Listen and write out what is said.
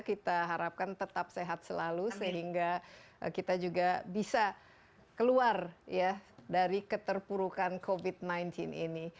kita harapkan tetap sehat selalu sehingga kita juga bisa keluar ya dari keterpurukan covid sembilan belas ini